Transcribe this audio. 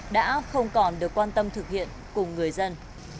đã không còn được quan tâm thực hiện cùng người dân